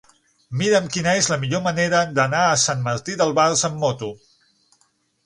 Mira'm quina és la millor manera d'anar a Sant Martí d'Albars amb moto.